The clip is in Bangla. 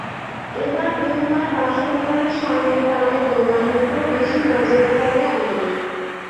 এবার বেহুলার বাসরঘরের সামনের পানের দোকান দুটো বেশি নজরে পড়ে আমাদের।